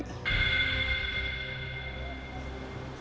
kalau lo udah penuh lo bisa berhenti